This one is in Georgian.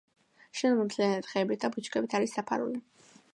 შენობა მთლიანად ხეებით და ბუჩქებით არის დაფარული.